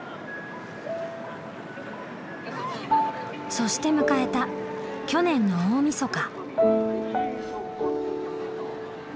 そして迎えた去年の大みそか。